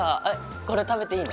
これ食べていいの？